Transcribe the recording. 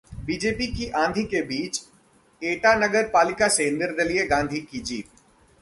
BJP की आंधी के बीच भी एटा नगर पालिका से निर्दलीय गांधी की जीत